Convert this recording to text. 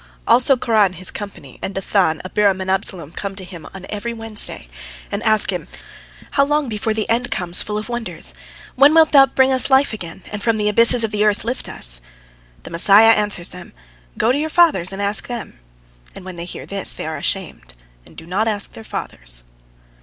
Also Korah and his company, and Dathan, Abiram, and Absalom come to him on every Wednesday, and ask him: "How long before the end comes full of wonders? When wilt thou bring us life again, and from the abysses of the earth lift us?" The Messiah answers them, "Go to your fathers and ask them"; and when they hear this, they are ashamed, and do not ask their fathers.